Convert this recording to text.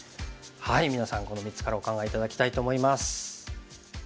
皆さんこの３つからお考え頂きたいと思います。